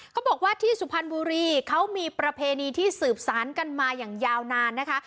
เขาบอกว่าที่สุพรรณบุรีเขามีประเพณีที่สืบสารกันมาอย่างยาวนานนะคะ